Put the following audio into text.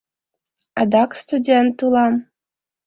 Адак студент улам.